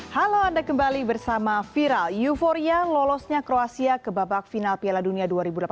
halo anda kembali bersama viral euforia lolosnya kroasia ke babak final piala dunia dua ribu delapan belas